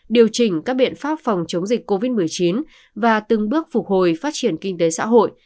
điều chỉnh các biện pháp phòng chống dịch covid một mươi chín và từng bước phục hồi phát triển kinh tế xã hội